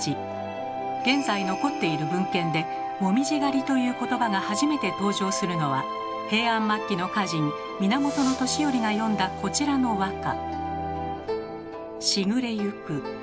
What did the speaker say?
現在残っている文献で「もみじ狩り」という言葉が初めて登場するのは平安末期の歌人源俊頼が詠んだこちらの和歌。